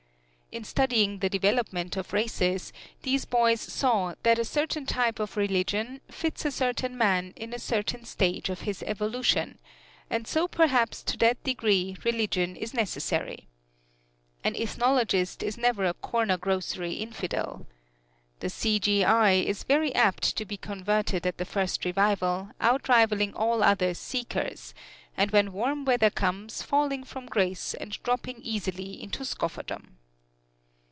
In studying the development of races these boys saw that a certain type of religion fits a certain man in a certain stage of his evolution, and so perhaps to that degree religion is necessary. An ethnologist is never a Corner Grocery Infidel. The C.G.I. is very apt to be converted at the first revival, outrivaling all other "seekers," and when warm weather comes, falling from grace and dropping easily into scofferdom.